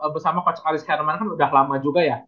bersama coach aris herman kan udah lama juga ya